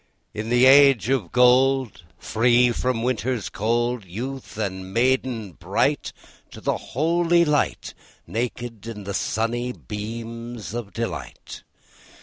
In the age of gold, Free from winter's cold, Youth and maiden bright, To the holy light, Naked in the sunny beams delight.